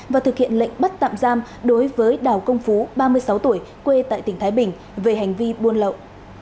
và thực hiện lệnh bắt tạm giam đối với đào công phú ba mươi sáu tuổi quê tại tỉnh thái bình về hành vi buôn lậu